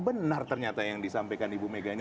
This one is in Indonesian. benar ternyata yang disampaikan ibu megawati